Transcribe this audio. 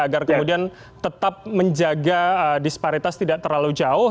agar kemudian tetap menjaga disparitas tidak terlalu jauh